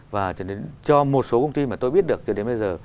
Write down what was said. và cho một số công ty mà tôi biết được cho đến bây giờ